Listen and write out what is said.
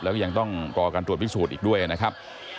แล้วก็ยังต้องรอการตรวจพิสูจน์อีกด้วยนะครับ